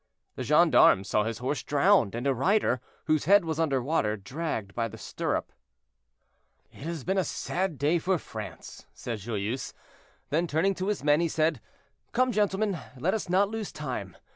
"The gendarmes saw his horse drowned, and a rider, whose head was under water, dragged by the stirrup." "It has been a sad day for France," said Joyeuse. Then turning to his men he said, "Come, gentlemen, let us not lose time.